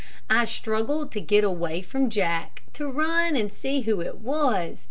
I struggled to get away from Jack to run and see who it was.